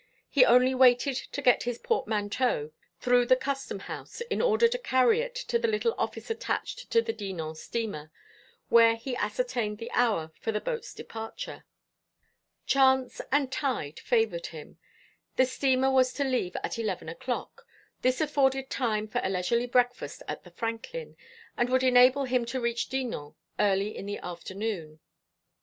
He only waited to get his portmanteau through the Custom House in order to carry it to the little office attached to the Dinan steamer, where he ascertained the hour for the boat's departure. Chance and tide favoured him. The steamer was to leave at eleven o'clock. This afforded time for a leisurely breakfast at the Franklin, and would enable him to reach Dinan early in the afternoon.